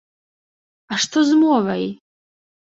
А што з мовай?!